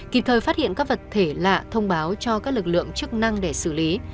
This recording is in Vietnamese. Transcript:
kịp thời phát hiện các vật thể lạ thông báo cho các lực lượng chức năng để xử lý